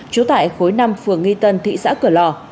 trú tại khối năm phường nghi tân thị xã cửa lò